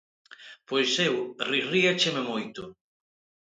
–Pois eu riríacheme moito.